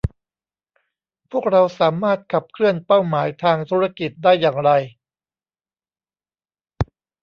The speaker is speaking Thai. พวกเราสามารถขับเคลื่อนเป้าหมายทางธุรกิจได้อย่างไร